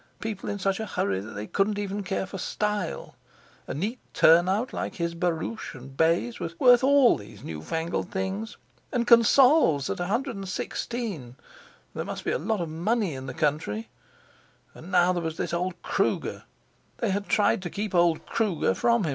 People in such a hurry that they couldn't even care for style—a neat turnout like his barouche and bays was worth all those new fangled things. And consols at 116! There must be a lot of money in the country. And now there was this old Kruger! They had tried to keep old Kruger from him.